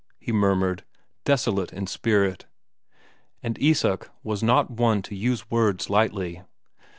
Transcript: ] he murmured, desolate in spirit. And Isak was not one to use words lightly.